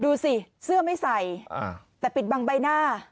ดูสิเสื้อไม่ใส่แต่ปิดบังใบหน้า